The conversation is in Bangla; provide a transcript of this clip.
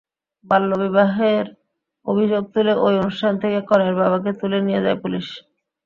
বাল্যবিবাহের অভিযোগ তুলে ওই অনুষ্ঠান থেকে কনের বাবাকে তুলে নিয়ে যায় পুলিশ।